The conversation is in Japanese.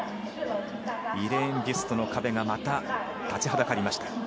イレーン・ビュストの壁がまた立ちはだかりました。